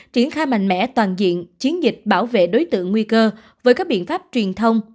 triển khai mạnh mẽ toàn diện chiến dịch bảo vệ đối tượng nguy cơ với các biện pháp truyền thông